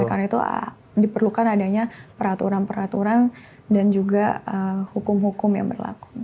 karena itu diperlukan adanya peraturan peraturan dan juga hukum hukum yang berlaku